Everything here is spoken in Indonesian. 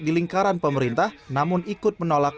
di lingkaran pemerintah namun ikut menolak